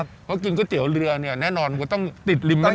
เพราะกินก๋วยเตี๋ยวเรือเนี่ยแน่นอนก็ต้องติดริมแม่